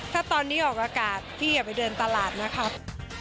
ถ้าตอนนี้ออกอากาศพี่อย่าไปเดินตลาดนะครับ